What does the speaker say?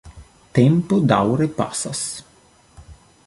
Tempo daŭre pasas.